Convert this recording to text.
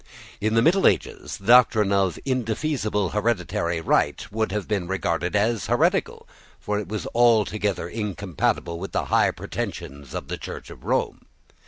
In the middle ages the doctrine of indefeasible hereditary right would have been regarded as heretical: for it was altogether incompatible with the high pretensions of the Church of Rome.